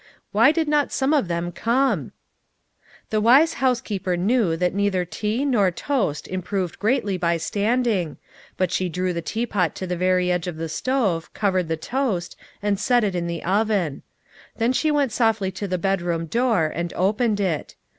Why did not some of them come ? The wise housekeeper knew that neither tea nor toast improved greatly by standing, but she drew the teapot to the very edge of the stove, covered the toast, and set it in the oven. Then she went softly to the bedroom door and opened it.